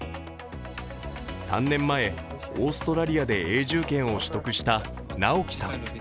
３年前、オーストラリアで永住権を取得したＮＡＯＫＩさん。